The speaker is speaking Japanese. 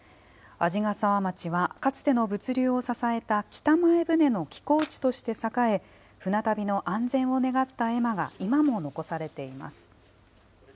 鯵ヶ沢町はかつての物流を支えた北前船の寄港地として栄え、船旅の安全を願った絵馬が今も残されています。